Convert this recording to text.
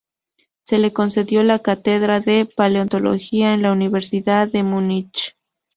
Se le concedió la cátedra de Paleontología de la Universidad de Múnich.